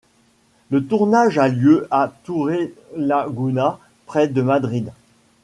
Le tournage a lieu à Torrelaguna, près de Madrid.